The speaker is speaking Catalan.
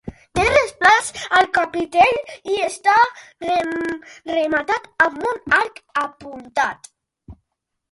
Té ressalts al capitell i està rematat amb un arc apuntat.